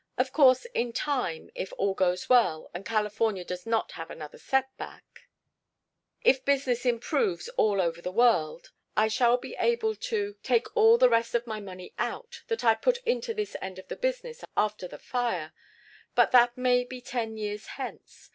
Of course, in time, if all goes well, and California does not have another setback if business improves all over the world I shall be able to take the rest of my money out, that I put into this end of the business after the fire; but that may be ten years hence.